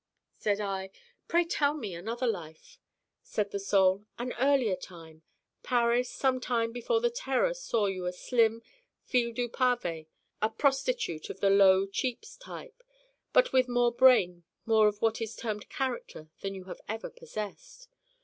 Said I: 'Pray tell me another life.' Said the Soul: 'An earlier time Paris, some century before the Terror saw you a slim fille du pavè, a prostitute of a low cheap type, but with more brain, more of what is termed character than you have ever possessed.